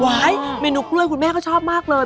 เมนูกล้วยคุณแม่เขาชอบมากเลย